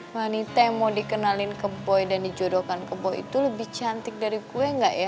manita yang mau dikenalin ke boy dan dijodohkan ke boy itu lebih cantik dari gue enggak ya